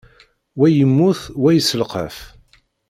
Wa yemmut, wa yesselqaf.